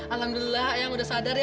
alhamdulillah yang udah sadar ya